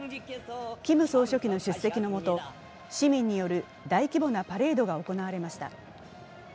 キム総書記の出席の下、市民による大規模なパレードが行われました。